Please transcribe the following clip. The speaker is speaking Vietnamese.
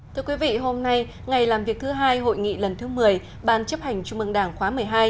thưa quý vị hôm nay ngày làm việc thứ hai hội nghị lần thứ một mươi ban chấp hành trung mương đảng khóa một mươi hai